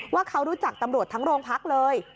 ว่าเขารู้จักตำรวจทั้งโรงพักเลย